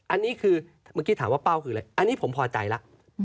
อันนี้คือเมื่อกี้ถามว่าเป้าคืออะไรอันนี้ผมพอใจแล้ว